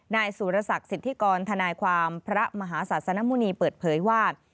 นายสุรศักดิ์สิทธิกรทนายความพระมหาศาสนมุณีเปิดเผยว่า